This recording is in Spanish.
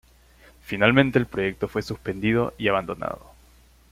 Finalmente el proyecto fue suspendido y abandonado.